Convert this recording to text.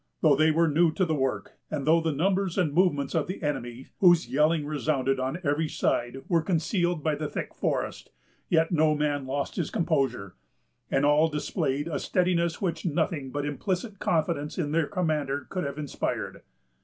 Though they were new to the work, and though the numbers and movements of the enemy, whose yelling resounded on every side, were concealed by the thick forest, yet no man lost his composure; and all displayed a steadiness which nothing but implicit confidence in their commander could have inspired.